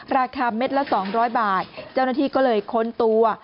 ราคาเม็ดละ๒๐๐บาทเจ้าหน้าที่ก็เลยค้นตัว